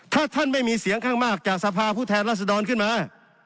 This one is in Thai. ถ้าท่านไม่มีเสียงข้างมากจากสภาผู้แทนรัศดรขึ้นมา